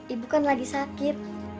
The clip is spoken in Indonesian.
ibu kan lagi sakit